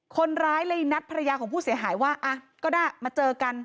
คนร้ายเลยนัดภรรยาของผู้เสียหายว่าอ่ะก็ได้มาเจอกัน